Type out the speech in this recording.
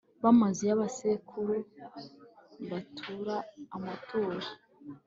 b amazu ya ba sekuru batura amaturo